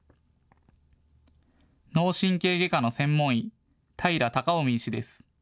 脳神経外科の専門医、平孝臣医師です。